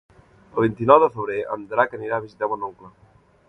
El vint-i-nou de febrer en Drac anirà a visitar mon oncle.